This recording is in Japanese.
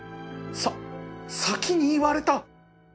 さっ先に言われた！